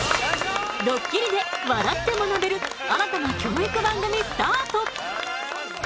ドッキリで笑って学べる新たな教育番組スタート！